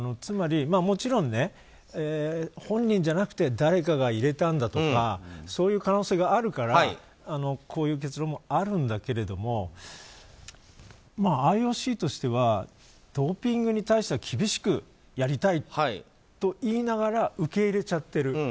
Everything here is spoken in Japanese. もちろん本人じゃなくて誰かが入れたんだとかそういう可能性があるからこういう結論もあるんだけれどもＩＯＣとしてはドーピングに対しては厳しくやりたいと言いながら受け入れちゃってる。